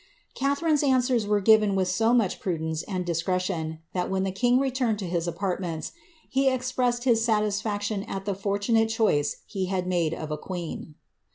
Githi rinc^s answers were given with so much prudence and discretion, that when the king returned to his apartments, he expressed his satisfiKtioa at the fortunate choice he had made of a queen.